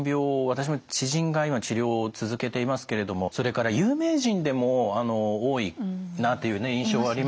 私の知人が今治療を続けていますけれどもそれから有名人でも多いなというね印象はありますけれども。